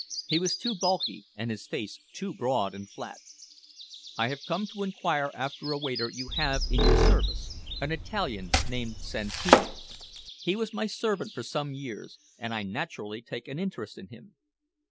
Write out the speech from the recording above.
He was too bulky, and his face too broad and flat. "I have come to inquire after a waiter you have in your service, an Italian named Santini. He was my servant for some years, and I naturally take an interest in him."